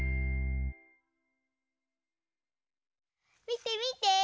みてみて！